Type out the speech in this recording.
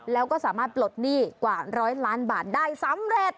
แล้วก็สามารถปลดหนี้กว่าร้อยล้านบาทได้สำเร็จ